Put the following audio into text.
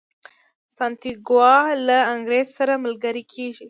سانتیاګو له انګریز سره ملګری کیږي.